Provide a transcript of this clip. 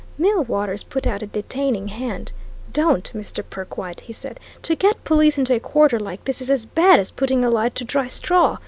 Millwaters put out a detaining hand. "Don't, Mr. Perkwite!" he said. "To get police into a quarter like this is as bad as putting a light to dry straw.